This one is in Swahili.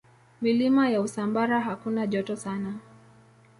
Milima ya Usambara hakuna joto sana.